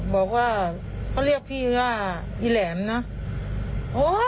บอกว่าเขาเรียกพี่ว่าอีแหลมนะ